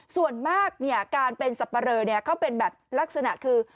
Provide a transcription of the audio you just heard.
ส่วนมากการเป็นสับปะเรอเขาเป็นแบบลักษณะคือ